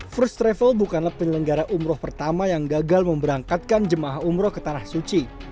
first travel bukanlah penyelenggara umroh pertama yang gagal memberangkatkan jemaah umroh ke tanah suci